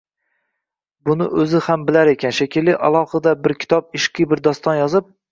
Buni o‘zi ham bilar ekan, shekilli, alohida bir kitob, ishqiy bir doston yozib